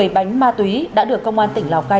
một mươi bánh ma túy đã được công an tỉnh lào cai